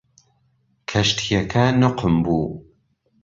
کەشتیەکە نوقم بوو.